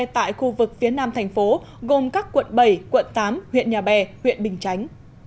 tại khu vực phía nam thành phố gồm các quận bảy quận tám huyện nhà bè huyện bình chánh